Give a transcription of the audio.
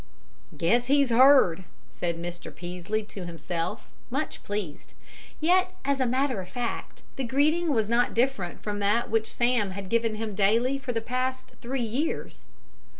"Guess he's heard," said Mr. Peaslee to himself, much pleased. Yet, as a matter of fact, the greeting was not different from that which Sam had given him daily for the past three years.